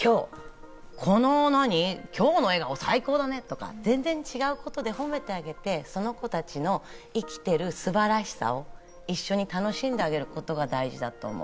今日の笑顔最高だねとか、全然違うことで褒めてあげて、その子たちの生きてる素晴らしさを一緒に楽しんであげることが大事だと思う。